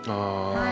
はい。